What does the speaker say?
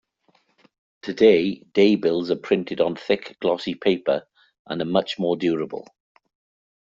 Today, daybills are printed on thick glossy paper and are much more durable.